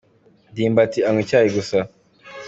ndimbati anywa icyayi gusa.